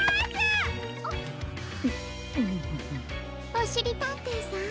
おしりたんていさん